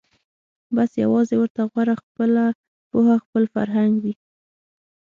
بس یوازي ورته غوره خپله پوهه خپل فرهنګ وي